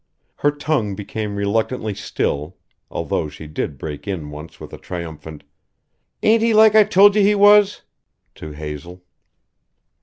Her tongue became reluctantly still although she did break in once with a triumphant "Ain't he like I told you he was?" to Hazel.